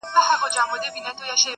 په منډه ولاړه ویل ابتر یې-